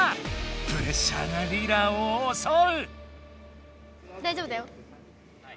プレッシャーがリラをおそう！